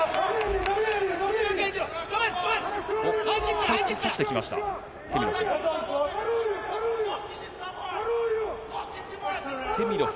２つ差してきました、テミロフ。